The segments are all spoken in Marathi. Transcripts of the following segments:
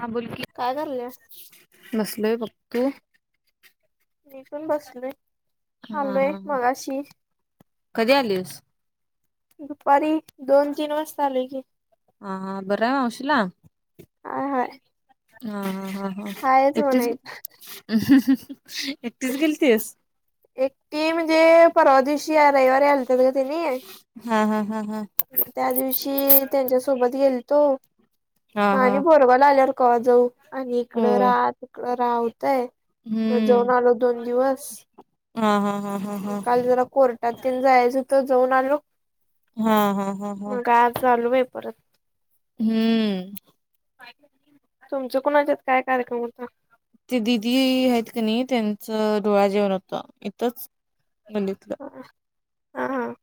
हां, बोल की. काय करल्या नसले बघतू मथून बसलय हा कधी आलीस दुपारी दोन तीन वाज चालेय की हाा बरं मवशिला ह हा हा हा हा एकटीच म्हणायचं एकटीच गेल तस एकटी म्हजे परवा दिवशी या रविवारी हलतात का तनी हा हा हा हा त्या दिवशी त्यांच्या सोबत गेल तो हा मा हा आणि भोरग ला आल्यावर क जाऊ आणि इकडं होय. राह त इकडं राहतय हम्म जाऊन आलो दोन दिवस हा हा हा मग हा काल जरा कोर्टात जायचं तर जाऊन आलो हा हा हा हा मग काय आज चालू आहे परत हम्म हम्म तुमच कुणाच्यात काय कार्यक्रम होता ते दिदी आहेत का नाही त्यांचं डोळा जेवण होतं इथच गल्लीतलं ह हां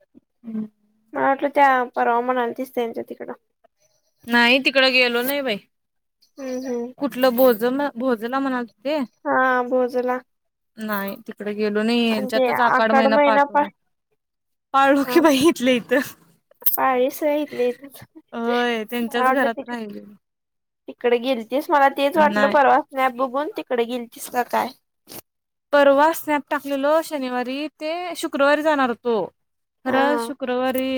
मला वाटलं ते परावा म्हणालतीस त्यांच्या इकड नाही तिकडं गेलो नाही बाई हम् हम् कुठलं भोज भोजला म्हणाल्ती ते हा भोजला नाही तिकडे गेलो नाही आणि ते यांच्यातच आखड आकाड महिना पा पाठवला पाळू की हा बाई इथल्या इथं पाळीस राहिितले इथल्या इथंच होय त्यांच्याच मला वाटलं घरात तिक राहिले तिकडे गेल तेस मला तेच वाटलं नाही परवा नाही बघून तिकडे गेल तीस का काय परवा स्नॅप टाकलेल शनिवारी ते शुक्रवारी जाणार तो हा खरं हा शुक्रवारी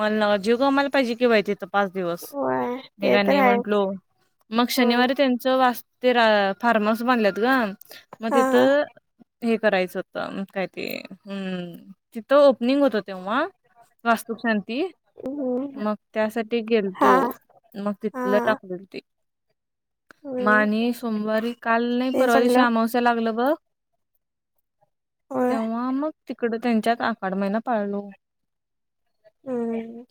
मन्ह जीव गमायला पाहिजे कि बाई तिथं पाच दिवस होय मी ते काय तर नाही आहेच म्हंटलो मग होय शनिवारी त्यांच वास्त्या फार्म हाऊस बनल्यात ग मग हा हा तिथं हे करायचं होतं काय ते हम्म तिथं ओपनिंग होतं तेव्हा वास्तुशांती हम्म मग त्यासाठी हा गेलतो मग तिथलं हा टाकलेल ते हम्म माने सोमवारी काल नाही तेच परवा दिवशी म्हणलं अमावश्या लागलं बघ होय तेव्हा मग तिकड त्यांच्या आखड महिना पाळलो हम्म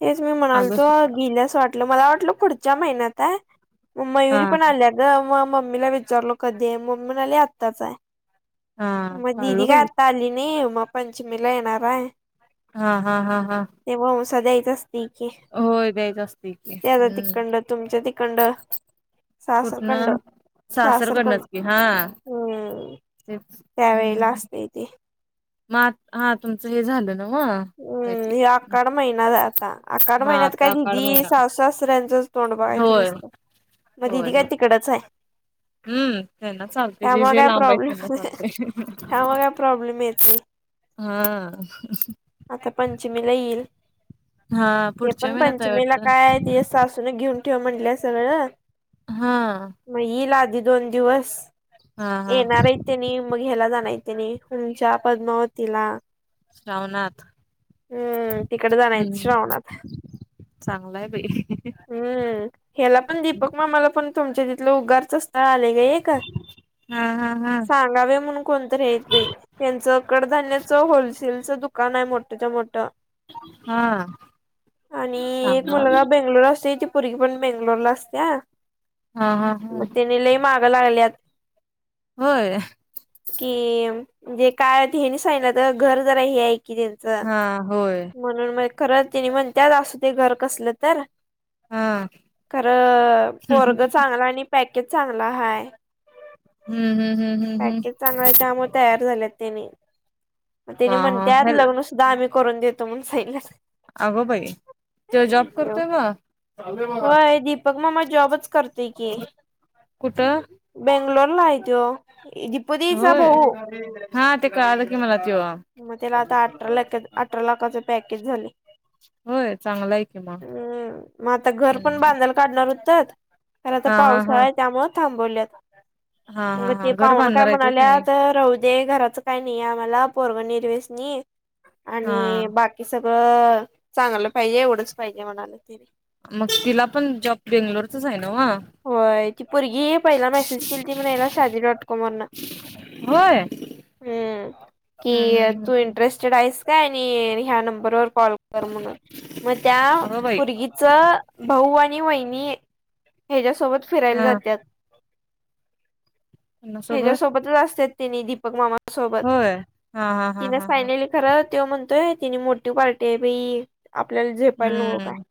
तेच मी म्हणाल आलो तो सकाळ गेल्यास वाटलं मला वाटलं पुढच्या महिन्यात आहे मयुरी हा पण आल्या ग मग मम्मीला विचारलो कधी मम्मी म्हणाआले आत्ताच आहे हा मग पाळलो दिदी काय बाई आता आली नाही मग पंचमीला येणार आहे हा हा हा हा ते ववसा द्यायचं असं - ठीक आहे होय द्यायच असतय की ते आता हम्म तिकडणं तुमच्या तिकडणं. कुठनं सासरकडणं. सासर, सासरकडनच की हा हम्म तेच त्यावेेळेला हम्म असतंय ते. मग हा तुमचं हे झालं नाव्ह हम्म ह अकड महिना्यात आता अकाड हा महिन्यात आता काय आखाड दिदी महिना सासासऱ्यांचं तोंड बघायचं होय नसत मग होय दिीदी काय होय तिकडच आहे हम्म त्यांना चालते जे त्यामुळे जे काय लांब आहे त्यांना प्रॉब्लेम त्यामुळे काय चालतेय प्रॉब्लेम येत नाही हा आता पंचमीला येईल हा हे पुढच्या पण महिन्यात आहे पंचमीला वाटतं काय ते सासून घेऊन ठेव म्हणलं सगळं हा मग येईल आधी दोन दिवस हा हा येणार आहे त्यांनी मग घ्यायला जाण त्यानी तंच्या पद्मावतीला श्रवनाथ हम्म तिकडे जानारये श्रावणात चांगल आहे बाई. हम् ह्याला पण दीपक मामाला पण तुमच्या तिथलं उगारच स्थळ आलाय की. वेळ आहे का हा हा हा सांगा बाई म्हणून कोणतरीं आहे त्यांचं कडधान्याच होलसेलचं दुकान आहे मोठ्याच्या मोठं. हा आणि एक सांगा मुलगा आलो. बेंगलोर असतोय ती पोरगी पण बेंगलोरला असत्या, हा हा हा मगं तेनी लय माग माग लागल्यात. होय. कि म्हणजे काय हेनीं सांगितलेलं घर जरा हे आहे कि त्यांच हा होय म्हणून मगं खर त्यांनी म्हणत्यात असूदे घर कसलं तर. हा खरं पोरग चांगला आणि पॅकेज चांगला हाय. हम्म हम हम्म हम् हम्म चांगल्या त्यामूळ तयार झालेत त्यानी, हा त्यानी हा म्हणत्यात हॅल लग्न सुद्धा आम्ही करून देतो. तुून सांन आगं बाई. तो जॉब करतोय गं. होय दीपक मामा जॉबच करतोय की कुठ? बेंगलोरला आहे तो दिपू दी चा होय भाऊ. हा ते कळालं की मला त्यो मग त्याला आता अठरा लाख अठरा लाखाच पॅकेज झाले. होय चांगला आहे. कि मग हम्म मगं आता घर पण हम्म. बांधायला काढणार होतात खर आता हा हा हा पावसाळा आहे त्यामुळे. थांबवल्यात हा हा मगं हा ते घर पाहुण काय बांधणार आहेत होय त्यांनी म्हणाल्यात राह दे घराच काय नाही आम्हाला पोराग निरव्यसनी हा आणि बाकी की सगळं चांगलं पाहिजे एवढंच पाहिजे म्हणाले ते. मग तिला पण जॉब बेंगलोरचच आहे नव्ह. होय ती पुरगी पहिला मेसेज केली ती म्हण याला शादी डॉट कॉम वरन. होय हम्म! हम्म कि हम्म तू हम्म इंटरेस्ट स्टेड आहेस का आणि ह्या नंबरवर कॉल कर म्हणून. मग त्या अगं बाई पुरगीच भाऊ आणि वहिनी हेच्यासोबत फिरायला हा जात्यात. लग्नासोबत हच्यासोबतच असत्यात तिने दीपक मामा सोबत होय हा हा हा तिन हा हा सांगितल. खर तो म्हणतोय तिने मोठी पार्टी आहे बाई आपल्याला झेपायला नको काय. हम्म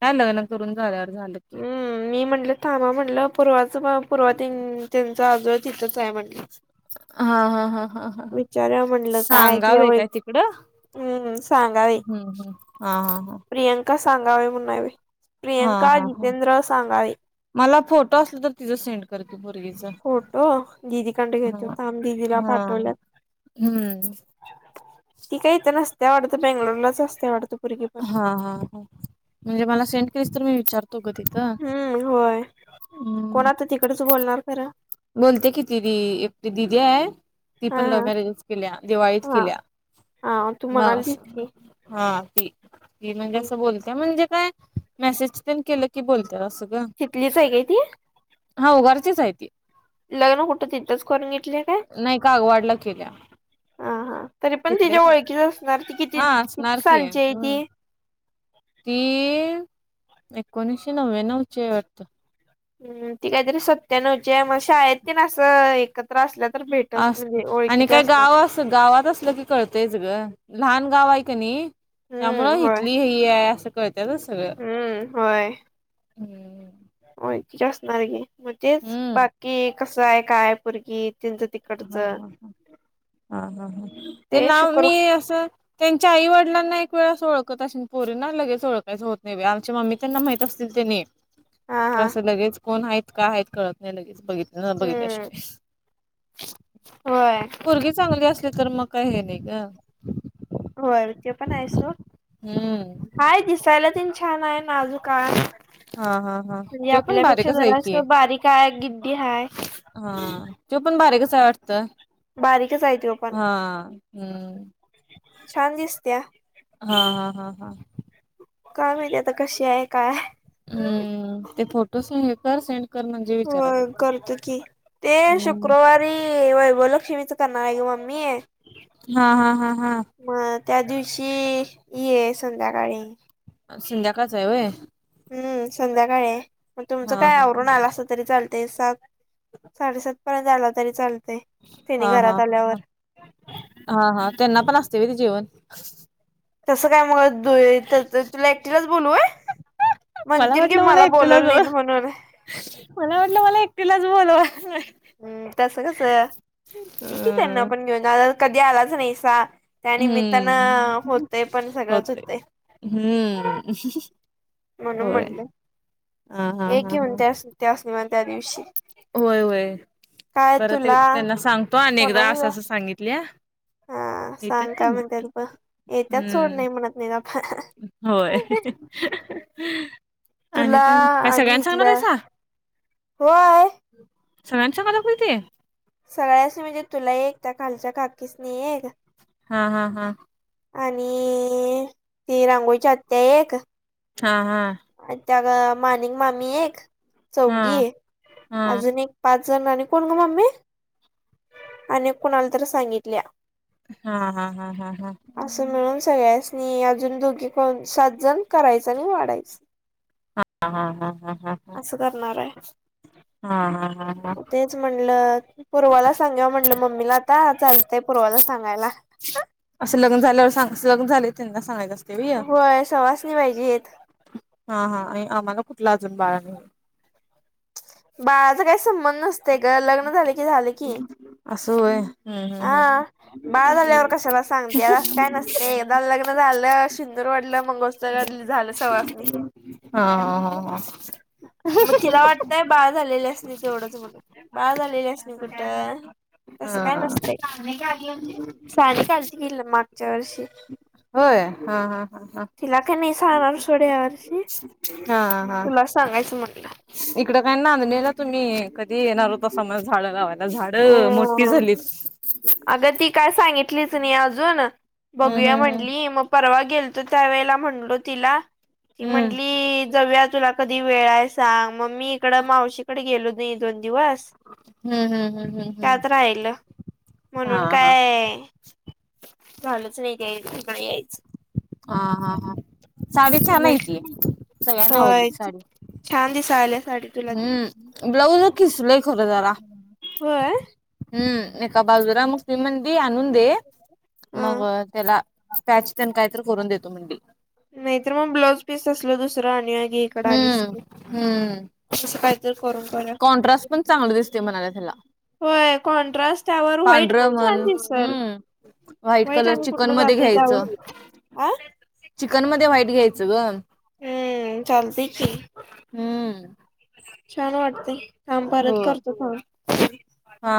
काय लग्न करून झाल्यावर झालं की हम्! मी म्हंटलं थांबा म्हटलं पूर्वाच पूर्व दादू आहें तिथंच आहे म्हणली. हा हा हा हा हा विचारुया म्हणलं काय तुझ्या सांगावे ओळ काय तिकडं हम्म हम्म, सांघावे. हम्म हम्म हा हा हा. प्रियांका सांघावे म्हणून आहे बाई हा हा प्रियांका हा हा जितेंद्र सांघावे. मला फोटो असल तर तिझं सेंड. कर त्या पुरगीच फोटो दिदीकडे घेतला हम्म थांब दिदीला हा. पाठवल्यात. हम्म. ती काय इथं नसत्या वाढत बेंगलोरलाच असत्या पुरगी पण. हा हा म्हणजे मला सेंड केलीस तर मी विचारतो. रतो गं तिथं हम्. तिकडेच बोलणार खंर. बोलते किती दि एकटी दिदी हाय. ती हा पण लव्ह हा मॅरेजेस केल्या दिवाळीत हा केल्या. हा तु मग मनालतिस असं की. हा ती ती म्हणजे हम्म. असं बोलत्या म्हणजे काय. मेसेज तेनं केलं की बोलत असं गं. तितलीच आहे काय ती. ह उगारचीच हाय ति. लग्न कुठं तिथंच करून घेतल्या काय. नाही कागवाडला केल्या. हा हा तरी पण तिच्या तिथलेच ओळखीच असणार ती किती हा किती असणार की सालची आहे हम्म ती. ती एकोणीशे नव्या्नवची हाय वाडत. हं ती काहीतरी सत्यानवची मग शाळेत तेन असं एकत. त्रासल्या तर भेटच अस म्हणजे आणि ओळखीच्या काय असनार. गाव अस गावात असलं की कळतयच ग लहान गाव आहे कनिय त्यामूळ हम्म होय हितली हाय. हि आहे असं कळत्यात सगळं. हम्म होय. हम्म ओळखीचे असणार कि म्हणजेच हम्म बाकी कसं आहे काय पोरगी त्यांचं ते. ह ह ह हा ह ह ते नाव मी असं. त्यांच्या आई वडलांना एक वेळा असं ओळखत असेन पोरींना लगेच ओळखयचं होत नाही बाई आमच्या मम्मी. त्यांना माहित असतील त्यानि. हा तर हा असं लगेच कोण हायेत काय हायेत कळत नाही लगेच बघितल हम्म बघितल्याशिवाय. होय. पोरगी चांगली असली तर मग काय हे नाही ग. होय ते पण आहे सोड हम्म हाय दिसायला तेन छान आहे नाजूक काय. हा हा हा म्हणजे त्यो पण आपल्यापेक्षा बारीकच आहे की जरासं बारीक हाय गिडडी हाय. हा त्यो पण बारीकच आहे वाटत बारीकच आहे त्यो पण हा हम्म. छान दिसत्या. हा हा हा हा. काय माहिति आता कशी आहे काय. हम्म ते फोटो हे कर सेंड. कर म्हणजे हो विचारायला येतंय करतो की ते हम्म शुक्रवारी वैभवलक्ष्मीच करणार आहे ग मम्मी. हा हा हा हा. म त्या दिवशी ये संध्याकाळी. संध्याकाळच आहे वय. हम्म संध्याकाळी हाय मग हा तुमचं काय हा आवरून आलासा तरी चालतय सात. साडेसात पर्यंत आला तरी चालतेय. हा हा ह ह हा हा त्यांना पण असतय होय ते जेवण. तसं काय मग. त तुला एकटीलाच बोलूय होय मला म्हणतील की वाटलं मला एकटीलाच बोलवल नाहीत म्हणून. मला वाटलं मला एकटीलाच बोलवाय् लाय. हम् तस कस इकी त्यांना अ पण घेऊन कधी आलाच नाहीसा. त्यानिमित्तानं हम्म होतय पण सगळंच होते होतय. हम्म. म्हणून होय म्हणल. हा हा एक हा घेऊन हा त्यास त्यास निमा त्या दिवशी. होय होय. काय बरं तुला त्यांना सांगतो आणि एकदा कोणाला असं असं सांगितल्या. हा येत्यात सांग काय त्यांनी म्हणतेय प. येत्यात सोड हम्म नाही म्हणत नाही. होय. आणि तुला काय मग काय आणि सगळ्यांना सांगणार इथल्या आहेसा होय. सरनच्याांगदा खते सगळ्यासनी म्हणजे तुला एक त्या खालच्या काकीसनी एक. हा हा हा. आणि ती रांगोळीच्या आत्या एक. हा हा. त्या मानिक मामी एक हा चौघी. हा अजून एक पाच जण आणि कोण ग मम्मी. आणि एक कोणाला तर सांगितल्या. हा हा हा हा हा असं मिळून सगळ्यांसनी अजून दोघे कोण सात जण करायच आणि वाढायचं हा हा हा हा हा असं करणार आहे हा हा हा ह तेच म्हणलं पूर्वाला सांगाव म्हंटलं मम्मीला आता चालतेय पूर्वाला सांगायला असं लग्न झाल्यावर सां लग्न झाले त्यांना सांगायचं असतं होय सवासणी पाहिजेत् हा हा आणि आम्हाला कुठला अजून बाळा नाही बाळाचा काही संबंध नसते ग लग्न झाल की झाले की अस होय हम्म हम्म हा हम्म बाळ झाल्यावर कशाला सांगत्यास् असं काय नसते एकदा लग्न झालं श सिन्दुर् वडलं मंगळसूत्र घातलं झालं सवासणी हा हा हा हा का बाळ झालेलेल्यास्नि तेवढंच वाटल् म्हणून बाळ झालेलंच नाही कुठं हा सानिका आली नव्हती. सानिका आली ती कि मागच्या वर्षी होय हा हा हां हा तिला काय नाही सांगणार सोड या वर्षी हा हा तुला सांगायचं म्हटलं इकडं काय नांदणीला तुम्ही कधी येणार होता सा म्हण झाड लावायला झाड मोठी अ झालीत् अगं ती काय सांगितलीच नाही अजून हम्म बघूया हम्म म्हंटली मग परवा गेलतो त्या वेळेला म्हणलो तिला ती हम्म म्हटली जाऊया तुला कधी वेळ आहे सांग मग मी इकड मावशीकडे गेलो नाही दोन दिवस ह्म्म हम्म ह्म्म ह्म्म त्यात राहिल म्हणून हा काय झालच नाही काय् इकडे यायचं हा हा हा साडी छान आहे ती सगळ्यांना आवडली होय साडी छान दिसाल्या साडी तुला ती हम्म ब्लाऊज खिस्लय् खर जरा होय हम्म एका बाजूला मग ती म्हणाली आणून दे ह मग त्याला पॅच तेंन काय तर करून देतो मंडी नाही तर मग ब्लाऊज पीस असल दुसरं आणि आगी इकड आलीस हम्म की हम्म तं काहीतरी कर कॉन्ट्रास्ट पण चांगल दिसतय म्हणाल्यात ह्याला होय कॉन्ट्रास्ट त्यावर व्हाईट पण छान म्हण दिसल हम्म व्हाईट भैर कलर आणि चिकन कुठन् मध्ये जातो घ्यायचं त्यावर अ चिकन मध्ये व्हाईट घ्यायचं ग हम्म चालतय् की हम्म छान वाटतय् थांब हो परत करतो कॉल. हा.